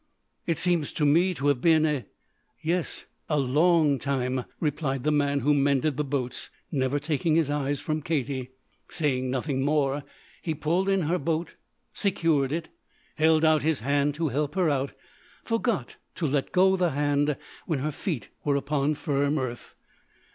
"It seems to me to have been a yes, a long time," replied the man who mended the boats, never taking his eyes from Katie. Saying nothing more, he pulled in her boat, secured it. Held out his hand to help her out forgot to let go the hand when her feet were upon firm earth.